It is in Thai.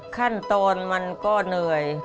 ขั้นตอนมันก็เหนื่อย